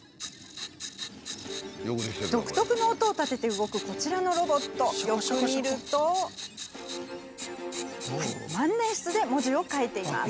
独特な音を立てて動くこちらのロボットよく見ると万年筆で文字を書いています。